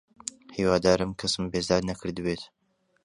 هیوادارم کەسم بێزار نەکردبێت.